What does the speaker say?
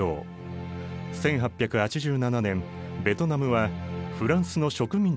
１８８７年ベトナムはフランスの植民地となった。